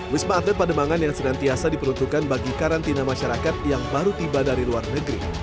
wisma atlet pademangan yang senantiasa diperuntukkan bagi karantina masyarakat yang baru tiba dari luar negeri